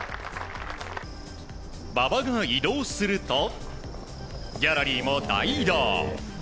馬場が移動するとギャラリーも大移動。